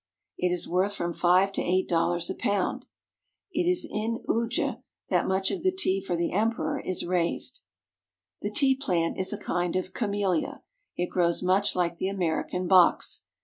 It is worth from five to eight dollars a pound. It is in Uji that much of the tea for the Emperor is raised. The tea plant is a kind of camellia. It grows much like the American box.